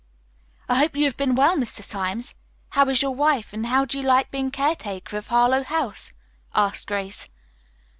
"I hope you have been well, Mr. Symes. How is your wife and how do you like being caretaker of Harlowe House?" asked Grace.